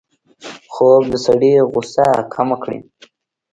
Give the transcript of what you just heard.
خوب د سړي غوسه کمه کړي